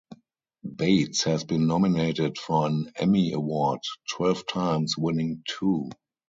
Bates has been nominated for an Emmy Award twelve times, winning two.